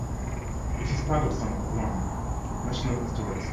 It is part of San Juan National Historic Site.